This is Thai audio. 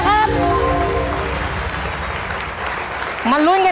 โบนัสหลังตู้หมายเลข๓คือ